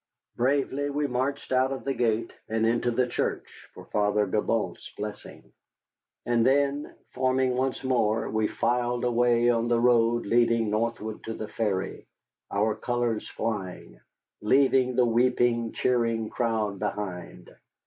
Bravely we marched out of the gate and into the church for Father Gibault's blessing. And then, forming once more, we filed away on the road leading northward to the ferry, our colors flying, leaving the weeping, cheering crowd behind.